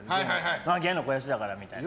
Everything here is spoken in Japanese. まあ、芸の肥やしだからみたいな。